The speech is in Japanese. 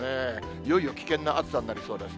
いよいよ危険な暑さになりそうです。